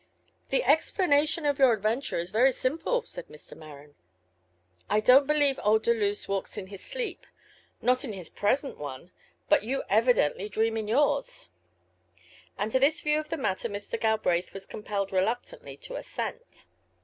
ŌĆ£The explanation of your adventure is very simple, ŌĆØ said Mr. Maren. ŌĆ£I donŌĆÖt believe old Deluse walks in his sleepŌĆönot in his present one; but you evidently dream in yours. ŌĆØ And to this view of the matter Mr. Galbraith was compelled reluctantly to assent.